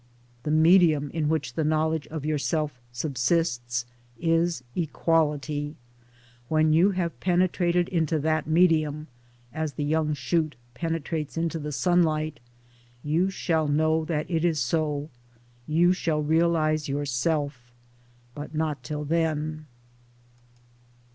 The medium in which the Knowledge of Yourself subsists is Equality. When you have penetrated into that medium (as the young shoot penetrates into the sunlight) you shall know that it is so — you shall realise Yourself — but not till then.